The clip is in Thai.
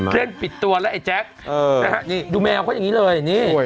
เล่นปิดตัวแล้วไอจ๊ะดูแมวเขาอย่างนี้เลย